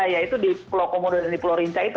yaitu di pulau komodo dan di pulau rinca itu